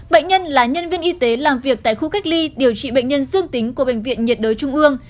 bệnh nhân là nhân viên y tế làm việc tại khu cách ly điều trị bệnh nhân dương tính của bệnh viện nhiệt đới trung ương